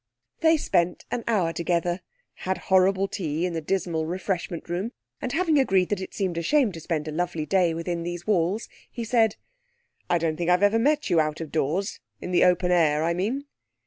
They spent an hour together; had horrible tea in the dismal refreshment room, and having agreed that it seemed a shame to spend a lovely day within these walls, he said 'I don't think I've ever met you out of doors in the open air, I mean.'